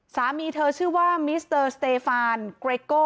สามีเธอชื่อว่ามิสเตอร์สเตฟานเกรโก้